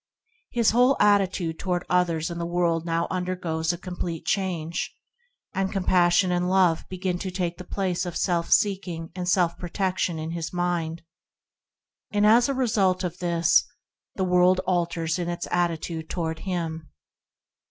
His whole attitude to ward others and toward the world now under goes complete change, and compassion and love take the place of self seeking and self protection in his mind; as a result of this, the world alters in its 52 ENTERING THE KINGDOM attitude toward him.